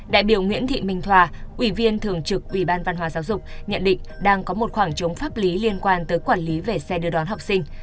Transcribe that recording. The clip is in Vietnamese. đại biểu nguyễn thị minh thoa ủy viên thường trực ủy ban văn hóa giáo dục nhận định đang có một khoảng trống pháp lý liên quan tới quản lý về xe đưa đón học sinh